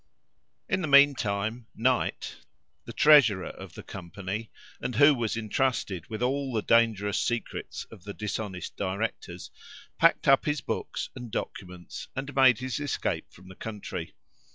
In the mean time, Knight, the treasurer of the company, and who was entrusted with all the dangerous secrets of the dishonest directors, packed up his books and documents, and made his escape from the country.